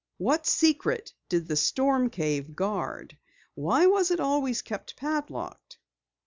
What secret did the storm cave guard? Why was it always kept padlocked?